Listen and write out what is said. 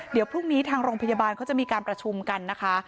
เดี๋ยวพรุ่งนี้ทางโรงพยาบาลเขาจะมีการประชุมกันนะคะ